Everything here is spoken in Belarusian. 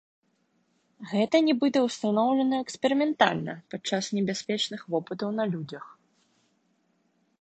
Гэта, нібыта, устаноўлена эксперыментальна падчас небяспечных вопытаў на людзях.